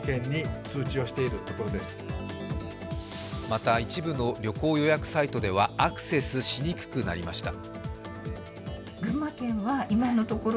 また、一部の旅行予約サイトではアクセスしにくくなりました。